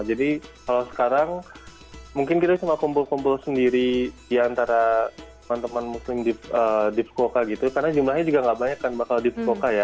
jadi kalau sekarang mungkin kita cuma kumpul kumpul sendiri ya antara teman teman muslim di fukuoka gitu karena jumlahnya juga nggak banyak kan bakal di fukuoka ya